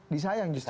disayang justru ya